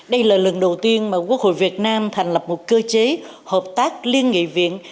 đây là lần đầu tiên mà quốc hội việt nam thành lập một cơ chế hợp tác liên nghị viện